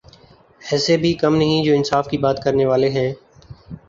ایسے بھی کم نہیں جو انصاف کی بات کرنے والے ہیں۔